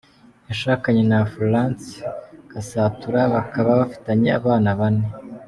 Yashakanye na Florence Gasatura bakaba bafitanye abana bane.